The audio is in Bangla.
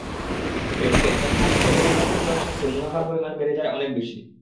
এদিকে স্যামসাংয়ের সেমিকন্ডাক্টর ব্যবসা থেকে মুনাফার পরিমাণ বেড়ে যায় অনেক বেশি।